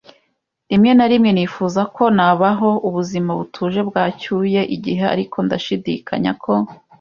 Rimwe na rimwe nifuza ko nabaho ubuzima butuje bwacyuye igihe ariko ndashidikanya ko